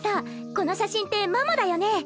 この写真ってママだよね？